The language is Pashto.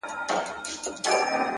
هر منزل د ارادې ازموینه ده.!